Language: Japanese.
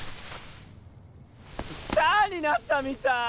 スターになったみたい！